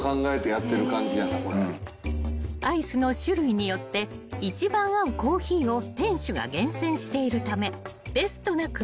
［アイスの種類によって一番合うコーヒーを店主が厳選しているためベストな組み合わせが楽しめる］